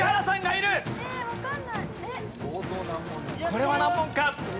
これは難問か？